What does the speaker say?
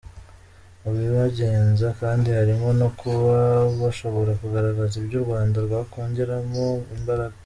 Mu bibagenza kandi harimo no kuba bashobora kugaragaza ibyo u Rwanda rwakongeramo imbaraga.